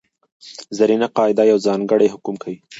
زرینه قاعده یو ځانګړی حکم کوي.